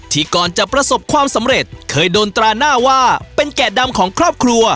ก่อนจะประสบความสำเร็จเคยโดนตราหน้าว่าเป็นแกะดำของครอบครัว